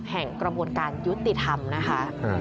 แห่งกระบวนการยุติธรรมนะคะ